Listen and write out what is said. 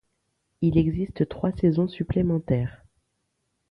Il existe trois saisons supplémentaires.